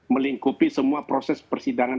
melingkupi semua proses persidangan